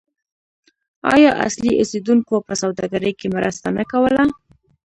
آیا اصلي اوسیدونکو په سوداګرۍ کې مرسته نه کوله؟